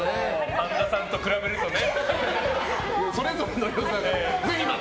神田さんと比べるとね。